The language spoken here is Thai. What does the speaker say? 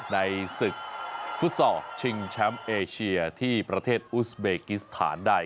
ในศึกฟุตซอลชิงแชมป์เอเชียที่ประเทศอุสเบกิสถานได้